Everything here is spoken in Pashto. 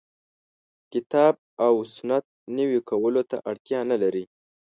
کتاب او سنت نوي کولو ته اړتیا نه لري.